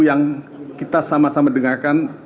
yang kita sama sama dengarkan